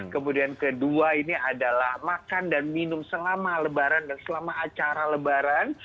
kemudian kedua ini adalah makan dan minum selama lebaran dan selama acara lebaran